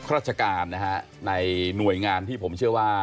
ราชการนะฮะในหน่วยงานที่ผมเชื่อว่า